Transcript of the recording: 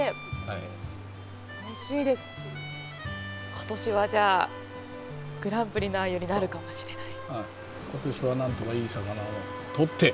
今年はじゃあグランプリのアユになるかもしれない。